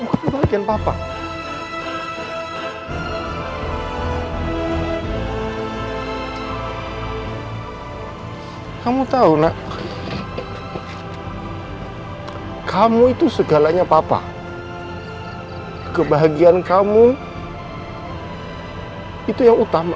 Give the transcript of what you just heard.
hai mungkin papa kamu tahu nak kamu itu segalanya papa kebahagiaan kamu itu yang utama